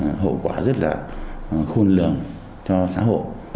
rất là hậu quả rất là khôn lường cho xã hội